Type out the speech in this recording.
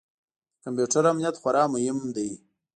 د کمپیوټر امنیت خورا مهم دی.